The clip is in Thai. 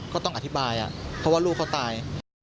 ก็ต้องอธิบายเพราะว่าลูกเขาตาย